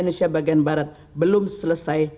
indonesia bagian barat belum selesai